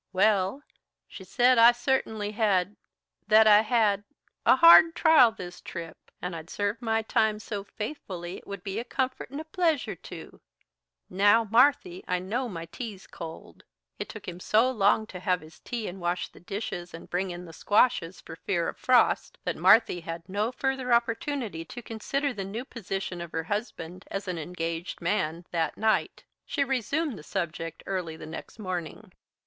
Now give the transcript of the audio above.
"Well, she said I certainly had that I had a hard trial this trip, and I'd served my time so faithfully it would be a comfort and a pleasure to now, Marthy, I know my tea's cold." It took him so long to have his tea and wash the dishes and bring in the squashes for fear of frost that Marthy had no further opportunity to consider the new position of her husband as an engaged man that night. She resumed the subject early the next morning.